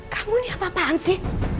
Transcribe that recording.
kamu ini apa apaan sih